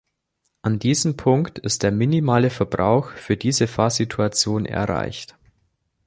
An diesem Punkt ist der minimale Verbrauch für diese Fahrsituation erreicht.